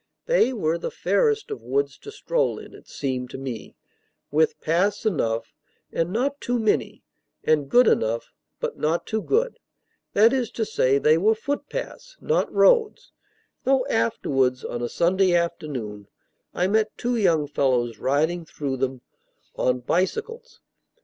They were the fairest of woods to stroll in, it seemed to me, with paths enough, and not too many, and good enough, but not too good; that is to say, they were footpaths, not roads, though afterwards, on a Sunday afternoon, I met two young fellows riding through them on bicycles.